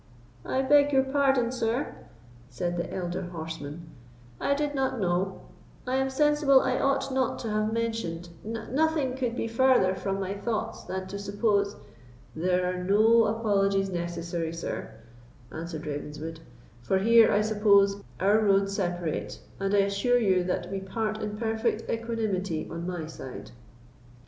"I beg your pardon, sir," said the elder horseman; "I did not know—I am sensible I ought not to have mentioned—nothing could be farther from my thoughts than to suppose——" "There are no apologies necessary, sir," answered Ravenswood, "for here, I suppose, our roads separate, and I assure you that we part in perfect equanimity on my side."